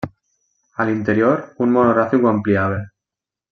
A l'interior, un monogràfic ho ampliava.